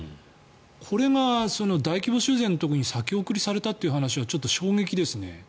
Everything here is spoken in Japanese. これが大規模修繕の時に先送りされたというのはちょっと衝撃ですね。